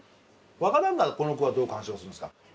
若旦那はこの句はどう鑑賞するんですか？